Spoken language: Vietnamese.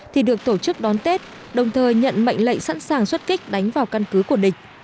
thì được tổ chức đón tết đồng thời nhận mệnh lệnh sẵn sàng xuất kích đánh vào căn cứ của địch